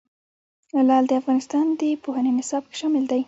لعل د افغانستان د پوهنې نصاب کې شامل دي.